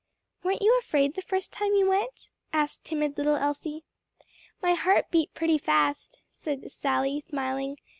"Weren't you afraid the first time you went?" asked timid little Elsie. "My heart beat pretty fast," said Sally smiling.